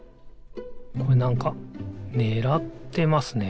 これなんかねらってますね。